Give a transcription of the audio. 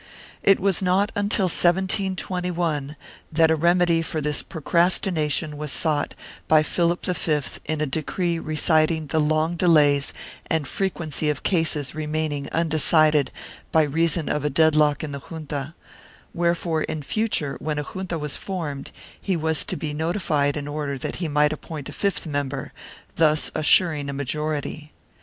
1 It was not until 1721 that a remedy for this procrastination was sought by Philip V in a decree reciting the long delays and the frequency of cases remaining undecided by reason of a dead lock in the junta, wherefore in future when a junta was formed, he was to be notified in order that he might appoint a fifth member, thus assuring a majority.